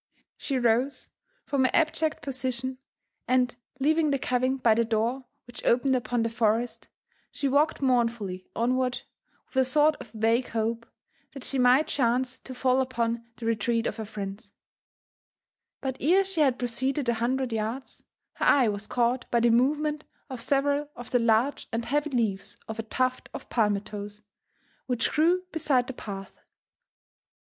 She rose from her abject position, and leaving the cabin by the door which opened upon the forest, she walked mournfully onward, with a sort of vague hope that she might chance to fall upon the retreat of her friends; but ere she had proceeded a hundred yards, her eye was caught by the movement of several of the large and he^vy leaves of a tuft of palmetoes which grew beside the path.